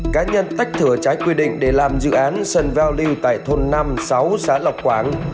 cá nhân tách thửa trái quy định để làm dự án sân vào lưu tại thôn năm sáu xã lọc quảng